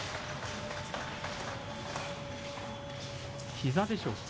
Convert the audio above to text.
膝でしょうか？